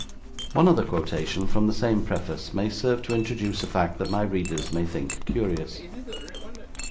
One other quotation from the same Preface may serve to introduce a fact that my readers may think curious.